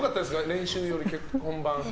練習より本番が。